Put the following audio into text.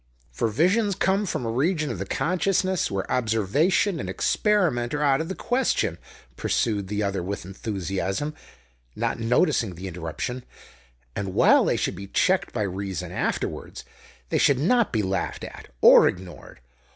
"For Visions come from a region of the consciousness where observation and experiment are out of the question," pursued the other with enthusiasm, not noticing the interruption, "and, while they should be checked by reason afterwards, they should not be laughed at or ignored.